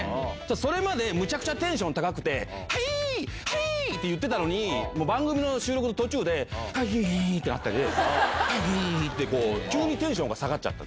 それまで、むちゃくちゃテンション高くて、はいー、はいーって言ってたのに、番組の収録の途中で、はいーってなったりで、はいーって、こう、急にテンションが下がっちゃって。